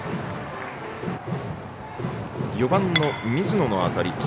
４番の水野の当たり。